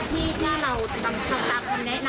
ที่ท่านุรับให้คำแนะนำ